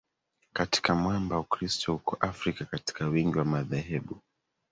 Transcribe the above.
katika mwamba Ukristo uko Afrika katika wingi wa madhehebu